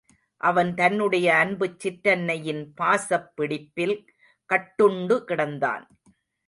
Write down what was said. அவன் தன்னுடைய அன்புச் சிற்றன்னையின் பாசப்பிடிப்பில் கட்டுண்டு கிடந்தான்.